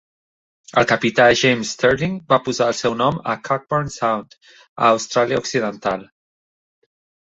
El capità James Stirling va posar el seu nom a Cockburn Sound, a Austràlia Occidental.